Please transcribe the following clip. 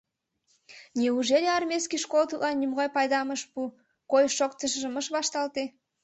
Неужели армейский школ тудлан нимогай пайдам ыш пу, койыш-шоктышыжым ыш вашталте?